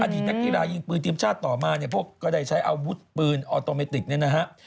อดีตนักกีฬายิ่งปืนเตรียมชาติต่อมาพวกก็ได้ใช้อาวุธปืนออโตเมติกนะครับ